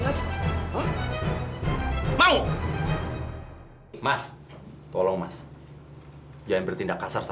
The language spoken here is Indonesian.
siapa yang dendam sama dia